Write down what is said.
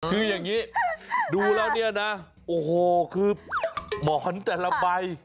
คืออย่างนี้ดูแล้วเนี่ยนะโอ้โหคือหมอนแต่ละใบ